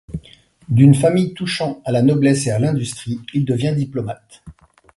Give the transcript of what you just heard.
D'une famille touchant à la noblesse et à l'industrie, il devient diplomate.